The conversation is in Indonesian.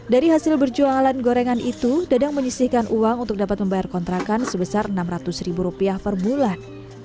dari hasil berjualan gorengan itu dadang menyisihkan uang untuk dapat membayar kontrakan sebesar rp enam ratus ribu rupiah per bulan